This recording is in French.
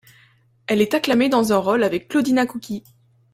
Elle est acclamée dans un rôle avec Claudina Couqui.